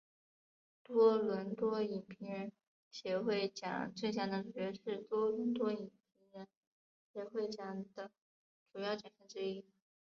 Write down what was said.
多伦多影评人协会奖最佳男主角是多伦多影评人协会奖的主要奖项之一。